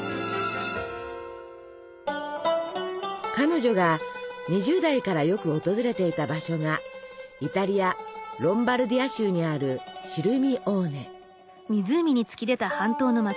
彼女が２０代からよく訪れていた場所がイタリアロンバルディア州にあるシルミオーネ。